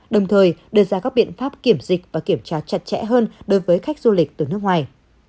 đồng thời đưa ra các biện pháp kiểm dịch và kiểm tra chặt chẽ hơn đối với khách du lịch từ nước ngoài